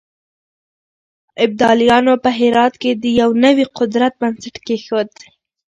ابدالیانو په هرات کې د يو نوي قدرت بنسټ کېښود.